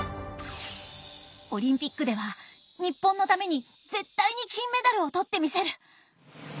オリンピックでは日本のために絶対に金メダルを取ってみせる！